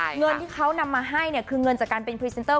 เงินที่เขานำมาให้เนี่ยคือเงินจากการเป็นพรีเซนเตอร์